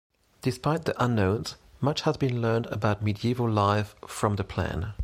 Despite the unknowns, much has been learned about medieval life from the Plan.